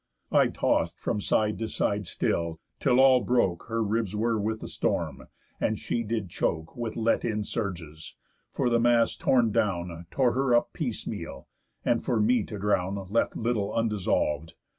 I toss'd from side to side still, till all broke Her ribs were with the storm, and she did choke With let in surges; for the mast torn down Tore her up piecemeal, and for me to drown Left little undissolv'd.